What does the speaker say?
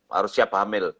harus siap hamil